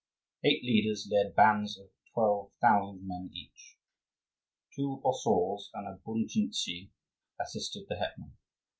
Eight leaders led bands of twelve thousand men each. Two osauls and a bunchuzhniy assisted the hetman.